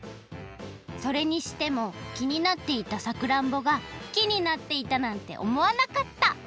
それにしてもきになっていたさくらんぼがきになっていたなんておもわなかった！